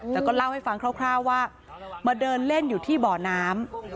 แต่ก็เล่าให้ฟังคร่าวว่ามาเดินเล่นอยู่ที่บ่อน้ำ